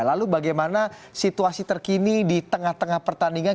lalu bagaimana situasi terkini di tengah tengah pertandingan